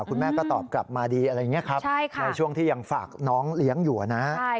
คุณแม่ก็ตอบกลับมาดีอะไรอย่างนี้ครับในช่วงที่ยังฝากน้องเลี้ยงอยู่นะ